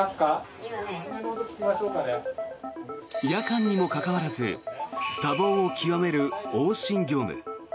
夜間にもかかわらず多忙を極める往診業務。